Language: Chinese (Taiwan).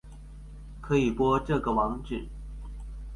可以播這個網址